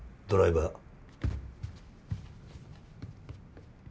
ドライバー。